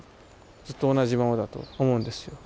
ずっと同じままだと思うんですよ。